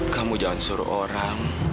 kamu jangan suruh orang